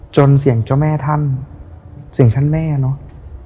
เสียงเจ้าแม่ท่านเสียงท่านแม่เนอะ